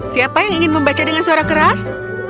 siapa yang ingin membaca dengan suara keras